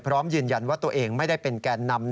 พร้อมยืนยันว่าตัวเองไม่ได้เป็นแก่นำ